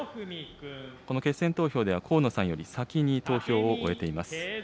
この決選投票では河野さんより先に投票を終えています。